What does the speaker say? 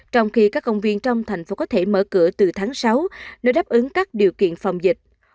trong khi các công viên trong thành phố có thể mở cửa từ tháng sáu nếu đáp ứng các điều kiện phòng dịch